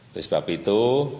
oleh sebab itu